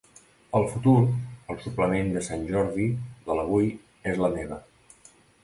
“El futur” al suplement de Sant Jordi de l'Avui és la meva.